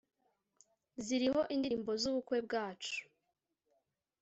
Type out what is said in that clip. ziriho indirimbo zubukwe bwacu